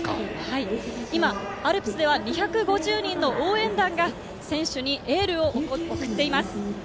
今、アルプスでは２５０人の応援団が選手にエールを送っています。